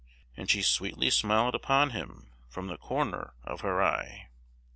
And she sweetly smiled upon him from the corner of her eye.